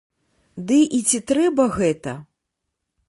Ды і ці трэба гэта?